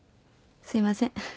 すいません。